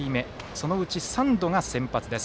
そのうち３度が先発です。